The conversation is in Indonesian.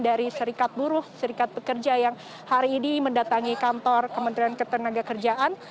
dari serikat buruh serikat pekerja yang hari ini mendatangi kantor kementerian ketenaga kerjaan